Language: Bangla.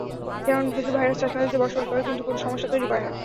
যেমন কিছু ভাইরাস শ্বাসনালিতে বসবাস করে, কিন্তু কোনো সমস্যা তৈরি করে না।